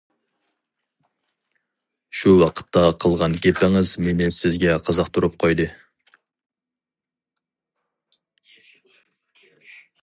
شۇ ۋاقىتتا قىلغان گېپىڭىز مېنى سىزگە قىزىقتۇرۇپ قويدى.